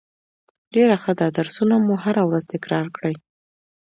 ډیره ښه ده درسونه مو هره ورځ تکرار کړئ